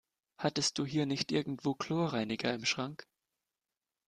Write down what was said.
Hattest du hier nicht irgendwo Chlorreiniger im Schrank?